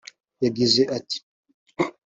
yagize ati